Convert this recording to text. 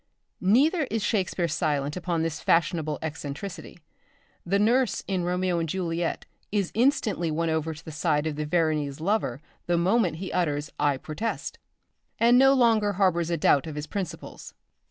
Neither is Shakespeare silent upon this fashionable eccentricity. The Nurse in 'Romeo and Juliet' is instantly won over to the side of the Veronese lover the moment he utters "I protest," and no longer harbours a doubt of his principles.